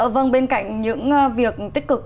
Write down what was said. vâng bên cạnh những việc tích cực